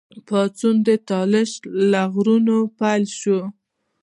پاڅون د طالش له غرونو پیل شو.